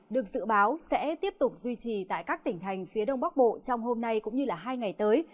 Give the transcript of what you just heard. được dự báo sẽ tiếp tục duy trì tại các tỉnh thành phía đông bắc bộ trong hôm nay cũng như hai ngày tới